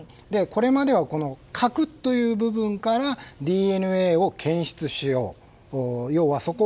これまでは核という部分からＤＮＡを検出しよう。